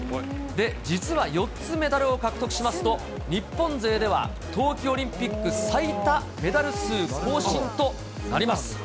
実は４つメダルを獲得しますと、日本勢では冬季オリンピック最多メダル数更新となります。